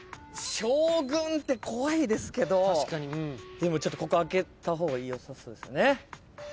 将軍って怖いですけどでもここ開けた方がよさそうっすね。